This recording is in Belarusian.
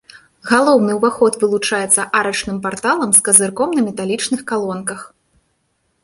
Галоўны ўваход вылучаецца арачным парталам з казырком на металічных калонках.